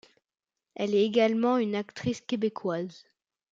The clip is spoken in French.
Elle est également une actrice québécoise.